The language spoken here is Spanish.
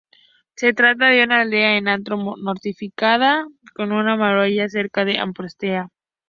Se trata de una aldea en alto y fortificada con una muralla-cerca de mampostería.